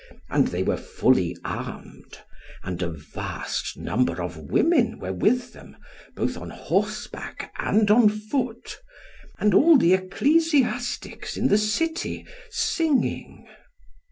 And they were fully armed; and a vast number of women were with them, both on horseback, and on foot; and all the ecclesiastics in the city, singing.